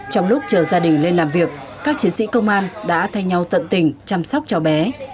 trong lúc chờ gia đình lên làm việc các chiến sĩ công an đã thay nhau tận tình chăm sóc cháu bé